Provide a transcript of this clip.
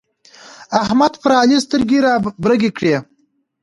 احمد پر علي سترګې رابرګې کړې.